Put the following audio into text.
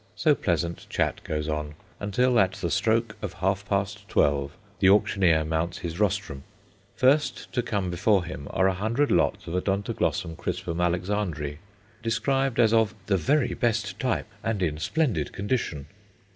So pleasant chat goes on, until, at the stroke of half past twelve, the auctioneer mounts his rostrum. First to come before him are a hundred lots of Odontoglossum crispum Alexandræ, described as of "the very best type, and in splendid condition."